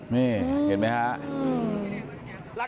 นี่เห็นไหมครับ